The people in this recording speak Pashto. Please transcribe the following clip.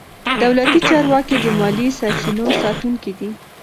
دولتي چارواکي د مالي سرچینو ساتونکي دي.